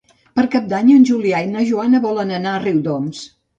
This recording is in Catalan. Per Cap d'Any en Julià i na Joana volen anar a Riudoms.